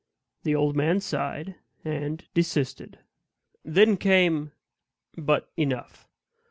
The old man sighed, and desisted. Then came But enough!